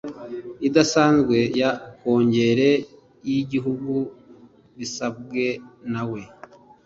idasanzwe ya Kongere y igihugu bisabwe na we